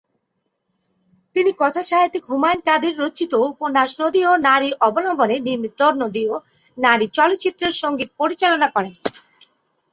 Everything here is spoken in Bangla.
তিনি কথাসাহিত্যিক হুমায়ুন কাদির রচিত উপন্যাস "নদী ও নারী" অবলম্বনে নির্মিত "নদী ও নারী" চলচ্চিত্রের সঙ্গীত পরিচালনা করেন।